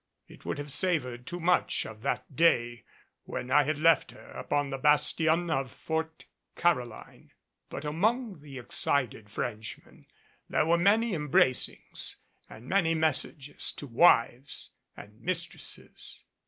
It would have savored too much of that day when I had left her upon the bastion at Fort Caroline. But among the excited Frenchmen there were many embracings and many messages to wives and mistresses.